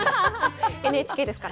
ＮＨＫですから。